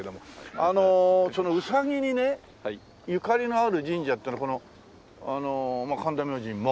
あのウサギにねゆかりのある神社っていうのはこの神田明神も。